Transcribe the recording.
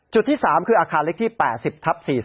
ที่๓คืออาคารเล็กที่๘๐ทับ๔๐